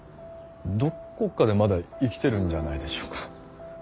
どこかでまだ生きてるんじゃないでしょうか。